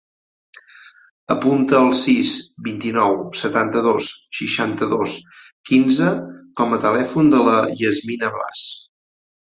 Apunta el sis, vint-i-nou, setanta-dos, seixanta-dos, quinze com a telèfon de la Yasmine Blas.